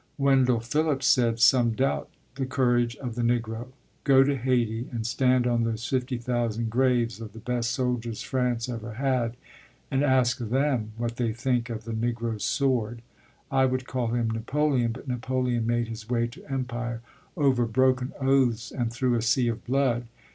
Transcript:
Wendell Phillips said, "Some doubt the courage of the Negro. Go to Hayti and stand on those fifty thousand graves of the best soldiers France ever had and ask them what they think of the Negro's sword. I would call him Napoleon, but Napoleon made his way to empire over broken oaths and through a sea of blood.